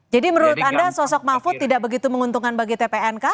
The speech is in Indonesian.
menurut anda sosok mahfud tidak begitu menguntungkan bagi tpnk